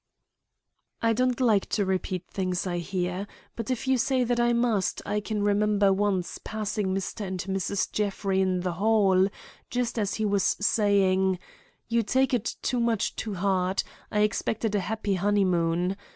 "I don't like to repeat things I hear. But if you say that I must, I can remember once passing Mr. and Mrs. Jeffrey in the hall, just as he was saying: 'You take it too much to heart! I expected a happy honeymoon.